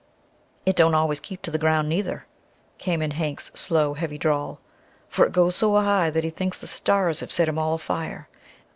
"It don't always keep to the ground neither," came in Hank's slow, heavy drawl, "for it goes so high that he thinks the stars have set him all a fire.